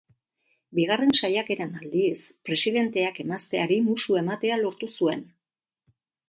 Bigarren saiakeran, aldiz, presidenteak emazteari musu ematea lortu zuen.